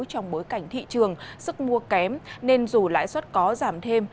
trong bối cảnh thị trường sức mua kém nên dù lãi suất có giảm thêm